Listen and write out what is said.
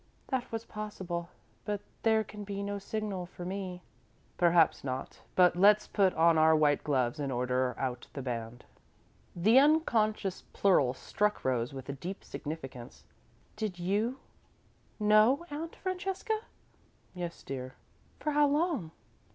"That was possible but there can be no signal for me." "Perhaps not, but let's put on our white gloves and order out the band." The unconscious plural struck Rose with deep significance. "Did you know, Aunt Francesca?" "Yes, dear." "For how long?"